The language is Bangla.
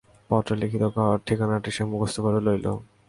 পত্রে লিখিত ঠিকানাটি সে মুখস্থ করিয়া লইল।